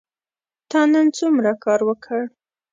تا نن څومره کار وکړ ؟